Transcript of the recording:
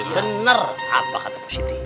bener apa kata positi